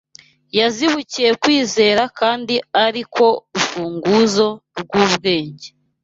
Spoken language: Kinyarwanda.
Yazibukiye kwizera kandi ari ko rufunguzo rw’ubwenge.